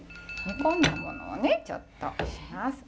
こんなものをねちょっと出します。